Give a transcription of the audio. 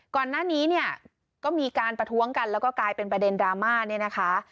ก่อนหน้านี้ก็มีการประท้วงกันแล้วก็กลายเป็นประเด็นดราม่า